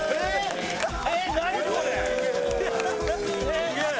すげえ！